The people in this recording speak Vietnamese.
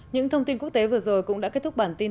những thông tin quốc tế vừa rồi cũng đã kết thúc bản tin